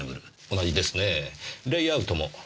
同じですねぇレイアウトも。